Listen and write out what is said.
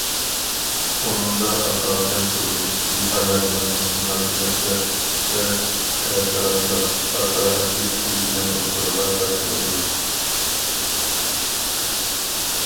ئۇنىڭدا ئاساسەن تۇرمۇشتىكى ھاياجانلىق مۇناسىۋەتلەر ۋە تەسىراتلار پاساھەتلىك تىل بىلەن ئوتتۇرىغا تاشلىنىدۇ.